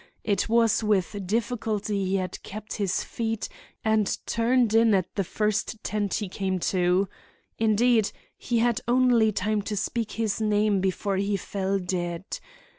It was with difficulty he had kept his feet and turned in at the first tent he came to. Indeed, he had only time to speak his name before he fell dead.